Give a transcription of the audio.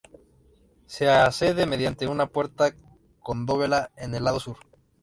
Se accede mediante una puerta con dovela en el lado sur.